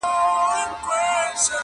o له خالي توپکه دوه کسه بېرېږي٫